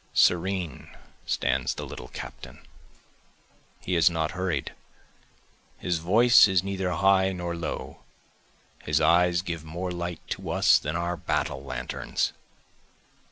Serene stands the little captain, He is not hurried, his voice is neither high nor low, His eyes give more light to us than our battle lanterns.